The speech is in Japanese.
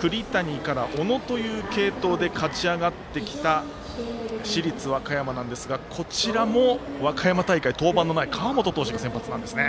栗谷から小野という継投で勝ち上がってきた市立和歌山なんですがこちらも和歌山大会、登板のない川本投手が先発なんですね。